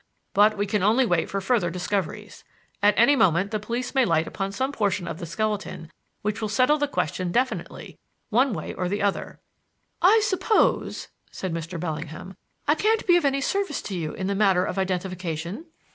But we can only wait for further discoveries. At any moment the police may light upon some portion of the skeleton which will settle the question definitely one way or the other." "I suppose," said Mr. Bellingham, "I can't be of any service to you in the matter of identification?"